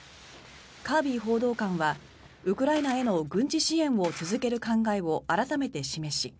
カービー報道官はウクライナへの軍事支援を続ける考えを改めて示し